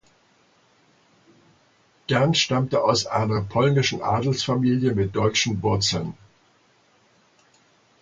Gern stammte aus einer polnischen Adelsfamilie mit deutschen Wurzeln.